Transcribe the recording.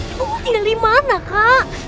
ibu tinggal di mana kak